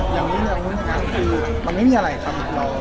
อย่างนี้อย่างอื่น